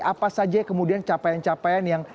apa saja kemudian capaian capaian yang